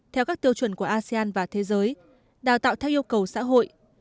theo các tiêu chuẩn của asean và thế giới đào tạo theo yêu cầu xã hội